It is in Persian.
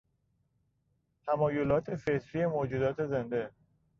تمایلات فطری موجودات زنده